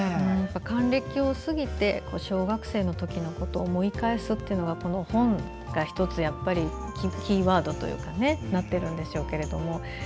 還暦を過ぎて小学生の時のことを思い返すっていうのが本が１つキーワードになっているんでしょうけれども。